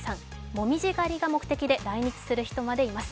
紅葉狩りが目的で来日する人までいます。